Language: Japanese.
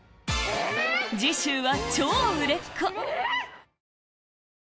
次週は超売れっ子！